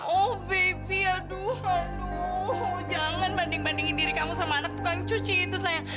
oh baby aduh aduh jangan banding bandingin diri kamu sama anak tukang cuci itu sayang